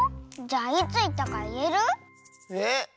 じゃあいついったかいえる？え？